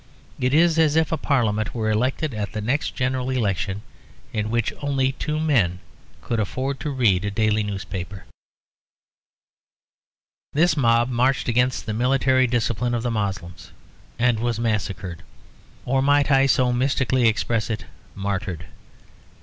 It is as if a parliament were elected at the next general election, in which only two men could afford to read a daily newspaper. This mob marched against the military discipline of the Moslems and was massacred; or, might I so mystically express it, martyred.